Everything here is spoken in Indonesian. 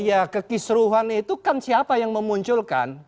ya kekisruhan itu kan siapa yang memunculkan